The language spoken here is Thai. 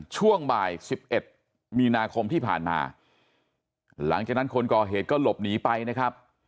ช่วงบ่าย๑๑มีนาคมที่ผ่านมาหลังจากนั้นคนก่อเหตุก็หลบหนีไปนะครับ